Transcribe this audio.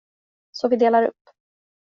Så vi delar upp.